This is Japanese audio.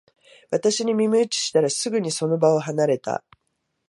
私に耳打ちしたら、すぐにその場を離れた